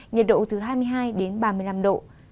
nhiệt độ từ hai mươi hai đến ba mươi năm độ